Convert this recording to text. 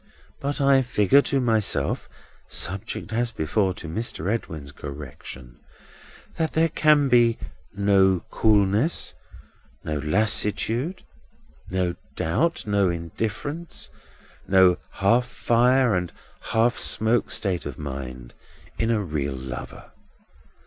But I figure to myself (subject, as before, to Mr. Edwin's correction), that there can be no coolness, no lassitude, no doubt, no indifference, no half fire and half smoke state of mind, in a real lover.